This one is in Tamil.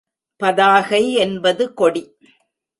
பதாகை என்பது கொடி.